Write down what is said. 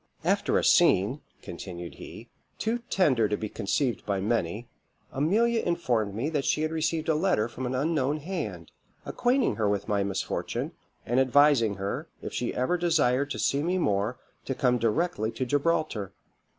"After a scene," continued he, "too tender to be conceived by many, Amelia informed me that she had received a letter from an unknown hand, acquainting her with my misfortune, and advising her, if she ever desired to see me more, to come directly to Gibraltar.